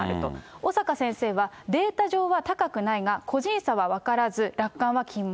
小坂先生は、データ上は高くないが、個人差は分からず、楽観は禁物。